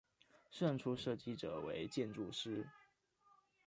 胜出设计者为建筑师。